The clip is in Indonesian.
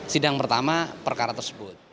sidang pertama perkara tersebut